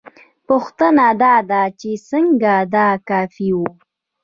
پوښتنه دا ده چې څنګه دا کافي وه؟